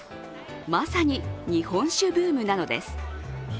まさに日本酒ブームなのです。